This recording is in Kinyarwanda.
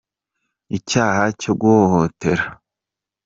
Icyaha cyo guhohotera.